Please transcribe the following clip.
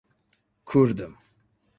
کوردم.